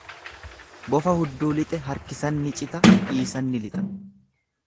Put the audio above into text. Bofa hudduu lixe harkisan ni cita, dhiisan ni lixa.